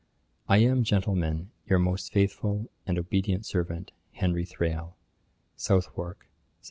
'I am, Gentlemen, 'Your most faithful 'And obedient servant, 'HENRY THRALE.' 'Southwark, Sept.